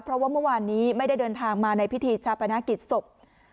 เพราะว่าเมื่อวานนี้ไม่ได้เดินทางมาในพิธีชาปนกิจศพ